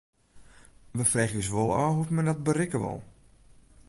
We freegje ús wol ôf hoe't men dat berikke wol.